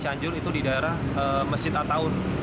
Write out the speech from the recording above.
cianjur itu di daerah mesir ataun